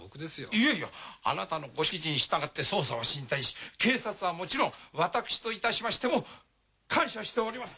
いやいやあなたのご指示に従って捜査は進展し警察はもちろん私といたしましても感謝しております！